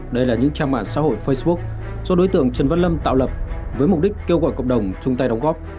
đây là những trang mạng xã hội facebook do đối tượng trần văn lâm tạo lập với mục đích kêu gọi cộng đồng chung tay đóng góp